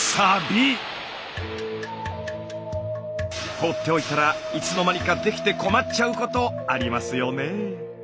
放っておいたらいつの間にかできて困っちゃうことありますよね。